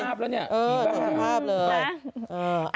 ใช่สุภาพเลย